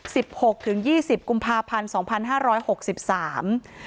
หกถึงยี่สิบกุมภาพันธ์สองพันห้าร้อยหกสิบสาม